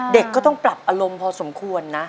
เด็กก็ต้องปรับอารมณ์พอสมควรนะ